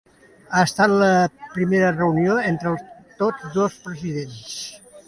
Ha estat la primera reunió entre tots dos presidents.